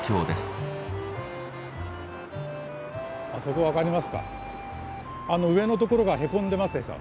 あそこ分かりますか？